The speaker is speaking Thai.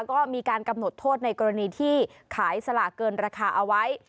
ก็มีการกำหนดโทษในกรณีที่ขายสลากเกินราคาเอาไว้